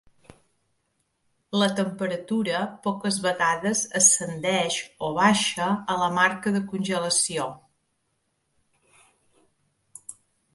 La temperatura poques vegades ascendeix o baixa a la marca de congelació.